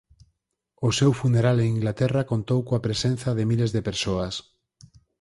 O seu funeral en Inglaterra contou coa presenza de miles de persoas.